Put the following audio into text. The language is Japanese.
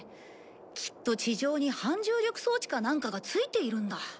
きっと地上に反重力装置かなんかが付いているんだ。